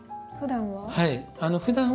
ふだんは？